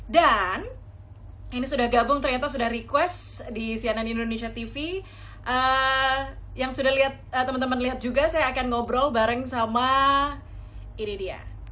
dan ini sudah gabung ternyata sudah request di cnn indonesia tv yang sudah temen temen lihat juga saya akan ngobrol bareng sama ini dia